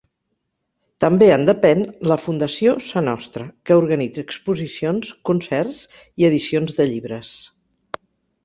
També en depèn la Fundació Sa Nostra, que organitza exposicions, concerts i edicions de llibres.